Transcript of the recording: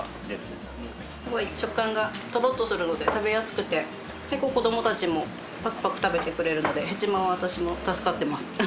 すごい食感がトロッとするので食べやすくて結構子どもたちもパクパク食べてくれるのでヘチマは私も助かってます。